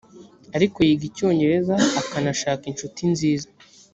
ariko yiga icyongereza akanashaka inshuti nziza